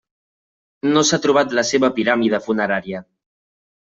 No s'ha trobat la seva piràmide funerària.